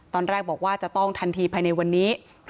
ตอนแรกบอกว่าจะต้องทันทีภายในวันนี้